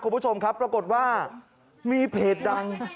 คุณผู้ชมครับปรากฏว่ามีเพจดัง